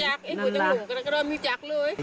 จักไอ้คุณจะหลงก็รอมีจักเลย